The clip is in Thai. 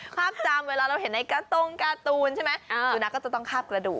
คาบจามเวลาเราเห็นในการตรงการ์ตูนใช่ไหมสุนัขก็จะต้องคาบกระดูก